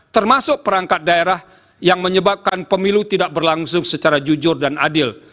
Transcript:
termasuk perangkat daerah yang menyebabkan pemilu tidak berlangsung secara jujur dan adil